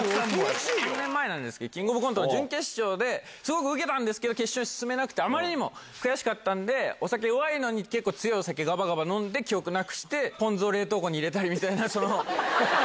３年前なんですけど、キングオブコントの準決勝で、すごくウケたんですけど、決勝に進めなくて、あまりにも悔しかったので、お酒弱いのに、結構強いお酒がばがば飲んで、記憶なくして、ポン酢を冷凍庫に入れたりみたいな。